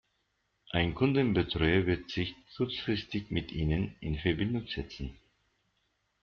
Ein Kundenbetreuer wird sich kurzfristig mit ihnen in Verbindung setzen.